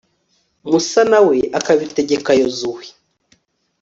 musa na we akabitegeka yozuwe